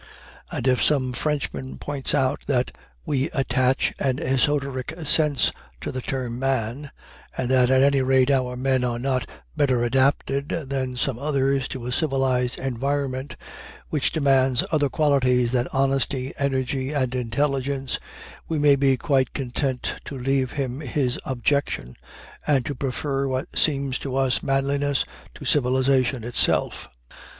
And if some Frenchman points out that we attach an esoteric sense to the term "man," and that at any rate our men are not better adapted than some others to a civilized environment which demands other qualities than honesty, energy, and intelligence, we may be quite content to leave him his objection, and to prefer what seems to us manliness, to civilization itself.